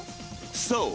そう！